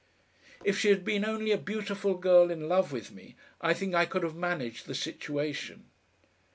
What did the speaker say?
If she had been only a beautiful girl in love with me, I think I could have managed the situation.